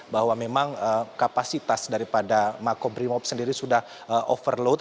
bahwa memang kapasitas daripada makobrimob sendiri sudah overload